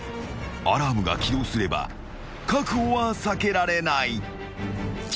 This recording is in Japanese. ［アラームが起動すれば確保は避けられない］